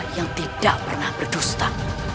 yang tidak pernah berdusta